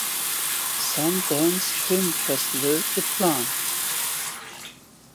Sundance Film Festival geplant.